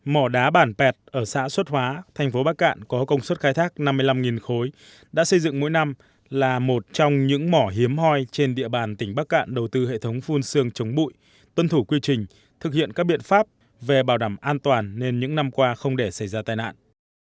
mỏ đá bản pẹt ở xã xuất hóa thành phố bắc cạn có công suất khai thác năm mươi năm khối đã xây dựng mỗi năm là một trong những mỏ hiếm hoi trên địa bàn tỉnh bắc cạn đầu tư hệ thống phun xương chống bụi tuân thủ quy trình thực hiện các biện pháp về bảo đảm an toàn nên những năm qua không để xảy ra tai nạn